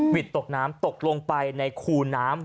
วิทย์ตกน้ำตกลงไปในคูน้ำ